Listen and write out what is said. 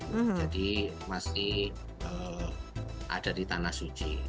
jadi masih ada di tanah suci